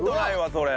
それ。